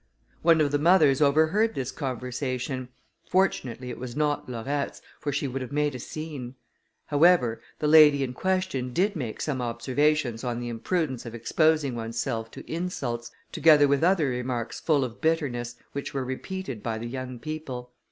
One of the mothers overheard this conversation; fortunately it was not Laurette's, for she would have made a scene. However, the lady in question did make some observations on the imprudence of exposing oneself to insults, together with other remarks full of bitterness, which were repeated by the young people.